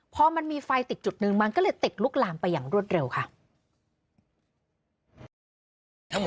พอมันมีไฟติดจุดหนึ่งมันก็เลยติดลุกลามไปอย่างรวดเร็วค่ะ